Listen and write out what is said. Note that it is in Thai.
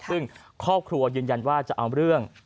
ซึ่งครอบครัวยืนยันว่าจะเอาเรื่อง